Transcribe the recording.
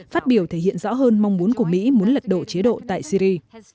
phát biểu thể hiện rõ hơn mong muốn của mỹ muốn lật đổ chế độ tại syri